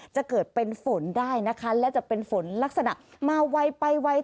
จะเกิดเป็นฝนได้นะคะและจะเป็นฝนลักษณะมาไวไปไว